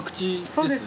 そうです。